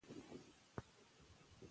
هغه سیمي چي په معاهده کي وي چاته ورکړل شوې؟